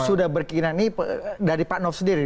sudah berkina ini dari pak nof sendiri